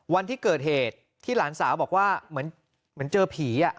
วันที่เกิดเหตุที่หลานสาวบอกว่าเหมือนเจอผี